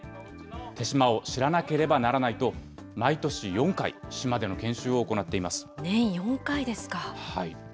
豊島を知らなければならないと、毎年４回、島での研修を行ってい年４回ですか。